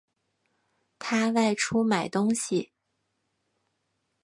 他外出买东西